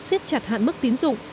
xét chặt hạn mức tiến dụng